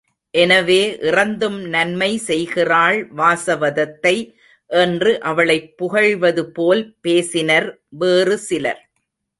எனவே இறந்தும் நன்மை செய்கிறாள் வாசவதத்தை என்று அவளைப் புகழ்வது போல் பேசினர் வேறு சிலர்.